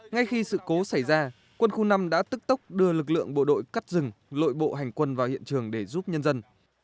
ngay khi sự cố xảy ra quân khu năm đã tức tốc đưa lực lượng bộ đội cắt rừng lội bộ hành quân vào hiện trường để giúp nhân dân